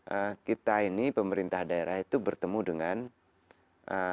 ee kita ini pemerintah daerah itu bertemu dengan ee